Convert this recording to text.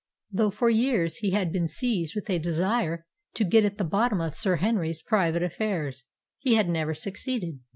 Though for years he had been seized with a desire to get at the bottom of Sir Henry's private affairs, he had never succeeded.